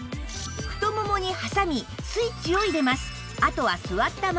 太ももに挟みスイッチを入れます